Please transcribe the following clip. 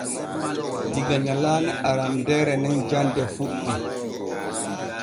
Diga nyalaane arandeere nin jande fuɗɗi.